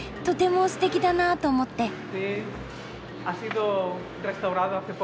とてもすてきだなと思って。